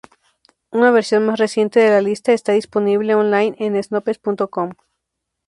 Una versión más reciente de la lista está disponible online en Snopes.com.